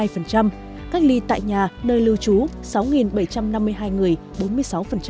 trong đó cách ly tại nhà nơi lưu trú sáu bảy trăm năm mươi hai người bốn mươi sáu